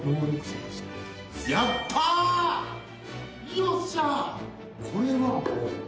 よっしゃ！